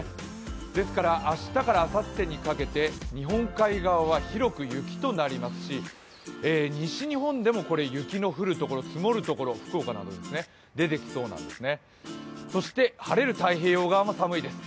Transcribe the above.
ですから明日からあさってにかけて日本海側は広く雪となりますし、西日本でも雪の降るところ、積もるところ、福岡など出てきそうですね。